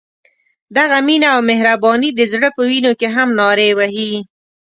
دغه مینه او مهرباني د زړه په وینو کې هم نارې وهي.